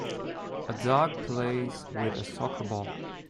A dog plays with a soccer ball